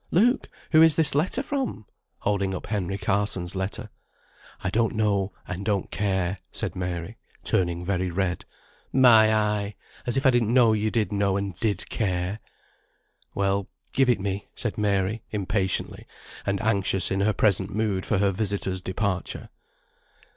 Look, who is this letter from?" holding up Henry Carson's letter. "I don't know, and don't care," said Mary, turning very red. "My eye! as if I didn't know you did know and did care." "Well, give it me," said Mary, impatiently, and anxious in her present mood for her visitor's departure.